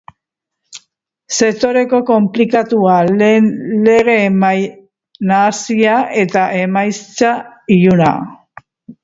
Sektore konplikatua, lege nahasia eta emaitza iluna.